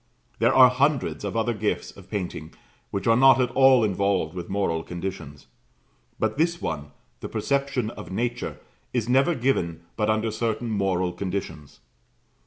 There are hundreds of other gifts of painting which are not at all involved with moral conditions, but this one, the perception of nature, is never given but under certain moral conditions.